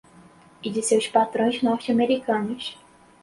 e de seus patrões norte-americanos